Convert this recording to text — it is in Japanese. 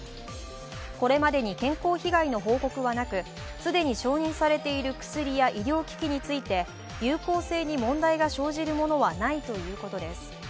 これまでに健康被害の報告はなく既に承認されている薬や医療機器について有効性に問題が生じるものはないということです。